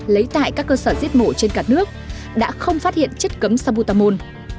lấy tại các cơ sở giết mổ trên cả nước đã không phát hiện chất cấm sabutamol